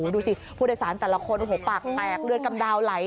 ดูสิผู้โดยสารแต่ละคนหัวปากแตกเลือดกำดาวไหล